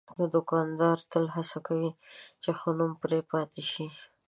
دوکاندار تل هڅه کوي چې ښه نوم پرې پاتې شي.